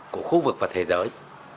của khu vực và thế giới